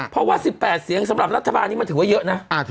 เพราะว่า๑๘เสียงสำหรับรัฐบาลนี้มันถือว่าเยอะนะ